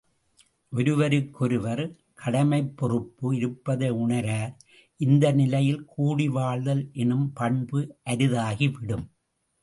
ஒருவருக்கொருவர் கடமைப் பொறுப்பு இருப்பதை உணரார், இந்த நிலையில் கூடி வாழ்தல் எனும் பண்பு அரிதாகிவிடும்.